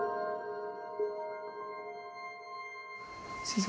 先生